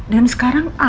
dan sekarang al